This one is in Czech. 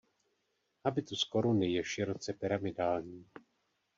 Habitus koruny je široce pyramidální.